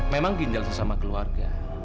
memang ginjal sesama keluarga